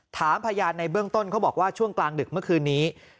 ถามพยานในเบื้องต้นเขาบอกว่าช่วงกลางดึกเมื่อคืนนี้